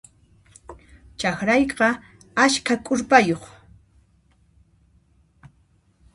Chakrayqa askha k'urpayuq.